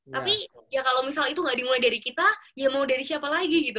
tapi ya kalau misal itu gak dimulai dari kita ya mau dari siapa lagi gitu